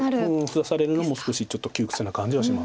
封鎖されるのも少しちょっと窮屈な感じはします。